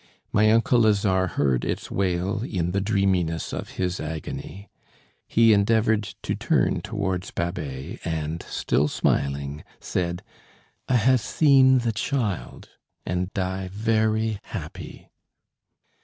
My uncle Lazare heard its wail in the dreaminess of his agony. He endeavoured to turn towards Babet, and, still smiling, said: "I have seen the child and die very happy."